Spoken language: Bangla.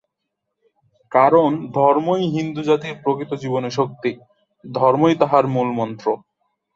কারণ ধর্মই হিন্দুজাতির প্রকৃত জীবনীশক্তি, ধর্মই তাহার মূলমন্ত্র।